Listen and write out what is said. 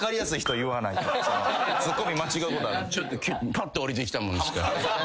パッと下りてきたもんですから。